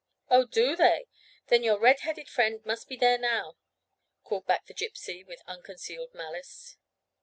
"Oh, do they? Then your red headed friend must be there now," called back the Gypsy with unconcealed malice.